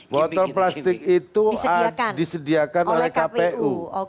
botol plastik itu disediakan oleh kpu